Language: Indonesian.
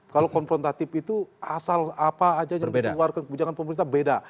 kalau konfrontatif itu asal apa aja yang dikeluarkan kebijakan pemerintah beda